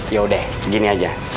yaudah gini aja